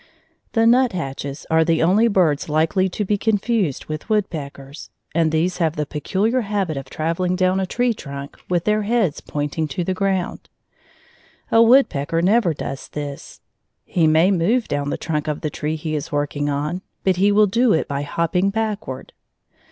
The nuthatches are the only birds likely to be confused with woodpeckers, and these have the peculiar habit of traveling down a tree trunk with their heads pointing to the ground. A woodpecker never does this; he may move down the trunk of the tree he is working on, but he will do it by hopping backward.